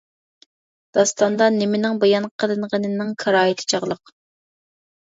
داستاندا نېمىنىڭ بايان قىلىنغىنىنىڭ كارايىتى چاغلىق.